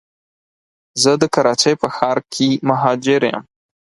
زه د کراچی په ښار کي مهاجر یم